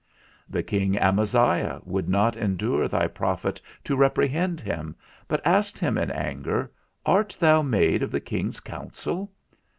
The king Amaziah would not endure thy prophet to reprehend him, but asked him in anger, _Art thou made of the king's counsel?